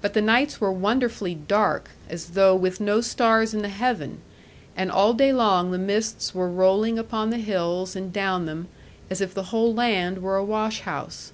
But the nights were wonderfully dark, as though with no stars in the heaven; and all day long the mists were rolling upon the hills and down them, as if the whole land were a wash house.